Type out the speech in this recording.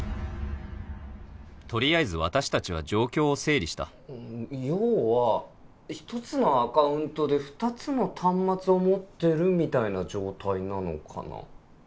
取りあえず私たちは状況を整理した要は１つのアカウントで２つの端末を持ってるみたいな状態なのかな。